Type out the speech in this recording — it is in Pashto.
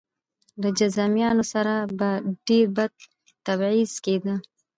له جذامیانو سره به ډېر بد تبعیض کېده.